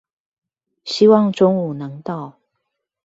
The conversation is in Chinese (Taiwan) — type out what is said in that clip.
希望中午能到